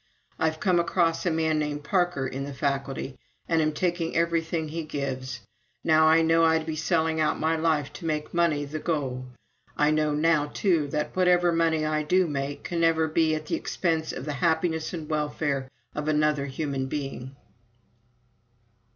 I've come across a man named Parker in the faculty and am taking everything he gives. Now I know I'd be selling out my life to make money the goal. I know now, too, that whatever money I do make can never be at the expense of the happiness and welfare of any other human being."